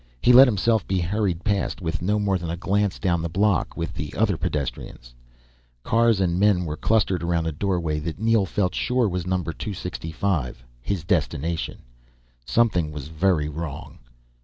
He let himself be hurried past, with no more than a glance down the block, with the other pedestrians. Cars and men were clustered around a doorway that Neel felt sure was number 265, his destination. Something was very wrong.